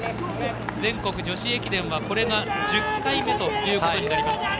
全国女子駅伝は、これで１０回目ということになります。